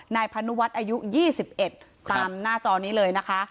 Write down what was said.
นายพานุวัฒน์อายุ๒๑ตามหน้าจอนี้เลยนะคะ